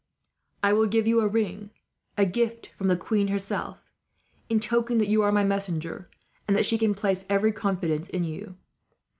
I will give you a ring, a gift from the queen herself, in token that you are my messenger, and that she can place every confidence in you.